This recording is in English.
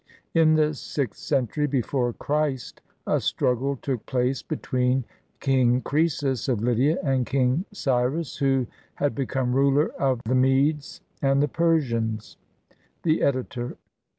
In the sixth century before Christ, a struggle took place between King Croesus of Lydia and King Cyrus, who had become ruler of the Medes and the Persians. The Editor.